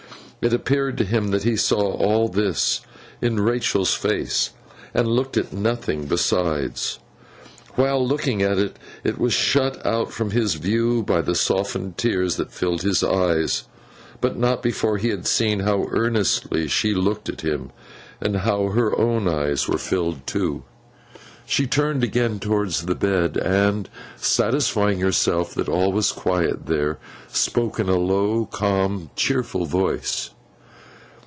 It appeared to him that he saw all this in Rachael's face, and looked at nothing besides. While looking at it, it was shut out from his view by the softened tears that filled his eyes; but not before he had seen how earnestly she looked at him, and how her own eyes were filled too. She turned again towards the bed, and satisfying herself that all was quiet there, spoke in a low, calm, cheerful voice.